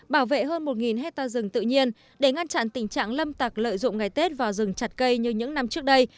bảo vệ hơn một hectare rừng tự nhiên để ngăn chặn tình trạng lâm tạc lợi dụng ngày tết vào rừng chặt cây như những năm trước đây